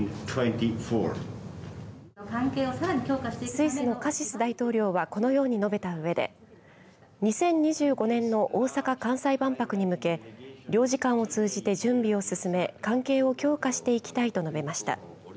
スイスのカシス大統領はこのように述べたうえで２０２５年の大阪・関西万博に向け領事館を通じて準備を進め関係を強化していきたいと述べました。